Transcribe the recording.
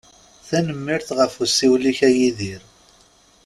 Tanemmirt ɣef usiwel-ik a Yidir.